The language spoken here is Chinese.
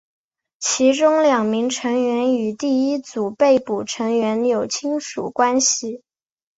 其中两名成员与第一组被捕成员有亲属关系。